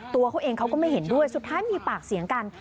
ตัวเขาเองเขาก็ไม่เห็นด้วยสุดท้ายมีปากเสียงกัน